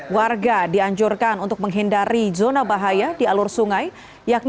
warga dianjurkan untuk menghindari zona bahaya di alur sungai